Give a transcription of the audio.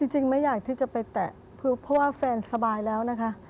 จริงไม่อยากที่จะไปแตะเพราะว่าแฟนสบายแล้วนะคะ